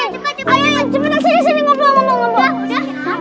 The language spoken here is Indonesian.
ada kabar penting